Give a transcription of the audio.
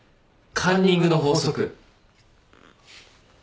カンニングの法則。